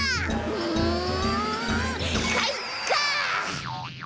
うんかいか！